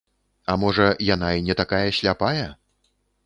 А можа яна і не такая сляпая?